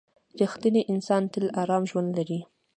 • رښتینی انسان تل ارام ژوند لري.